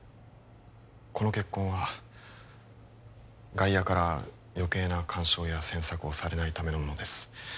この結婚は外野から余計な干渉や詮索をされないためのものです